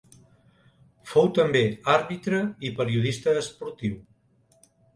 Fou també àrbitre i periodista esportiu.